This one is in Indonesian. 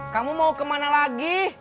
kamu mau kemana lagi